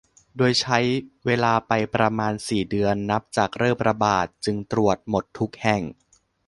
โดยใช้เวลาไปประมาณสี่เดือนนับจากเริ่มระบาด จึงตรวจหมดทุกแห่ง